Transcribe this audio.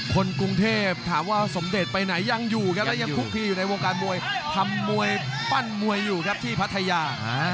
คนกรุงเทพถามว่าสมเด็จไปไหนยังอยู่ครับแล้วยังคุกทีอยู่ในวงการมวยทำมวยปั้นมวยอยู่ครับที่พัทยา